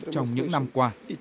trong những năm qua